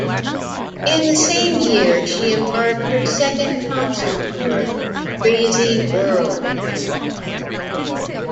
In the same year, she embarked her second concert tour Crazy World Tour.